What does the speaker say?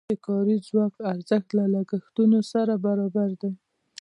د کاري ځواک ارزښت له لګښتونو سره برابر دی.